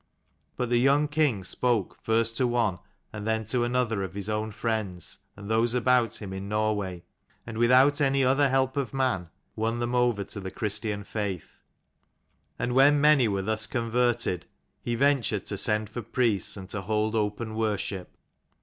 But the young king spoke first to one and then to another of his own friends and those about him in Norway, and without any other help of man, won them over to the Christian faith : and when many were thus converted he ventured to send for priests, and to hold open worship.